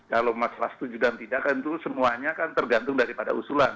kalau masalah setuju dan tidak kan itu semuanya kan tergantung daripada usulan